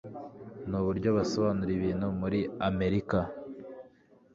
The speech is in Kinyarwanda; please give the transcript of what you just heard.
nuburyo basobanura ibintu muri amerika